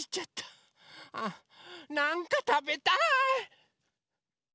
なんかたべたい！